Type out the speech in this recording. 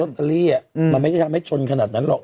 ตเตอรี่มันไม่ได้ทำให้ชนขนาดนั้นหรอก